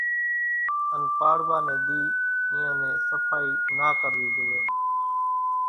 ان پاڙوا ني ۮي اينيان نين صڦائي نا ڪروي زوئي،